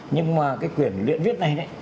nhưng mà quyền luyện viết này